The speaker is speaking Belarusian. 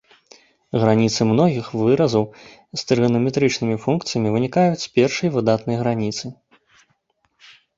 Граніцы многіх выразаў з трыганаметрычнымі функцыямі вынікаюць з першай выдатнай граніцы.